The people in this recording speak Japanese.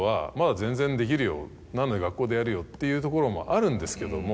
「学校でやるよ」っていうところもあるんですけども。